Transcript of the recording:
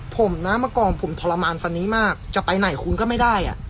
ผมนะเมื่อก่อนผมทรมานฟันนี้มากจะไปไหนคุณก็ไม่ได้